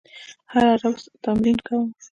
هره ورځ تمرین کوم.